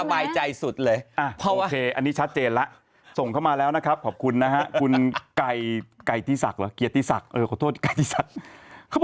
เขารู้โลเคชั่นไหมอะไรไหมคือแม่ไม่ซีเรียสแม่ปล่อยกดเลยใช่ไหม